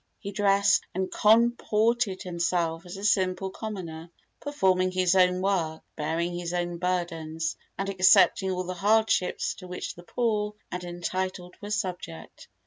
He dressed and comported himself as a simple commoner, performing his own work, bearing his own burdens, and accepting all the hardships to which the poor and untitled were subject.